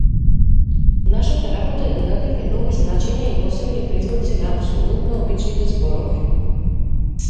Нашата работа е да дадеме нови значења и посебни призвуци на апсолутно обичните зборови.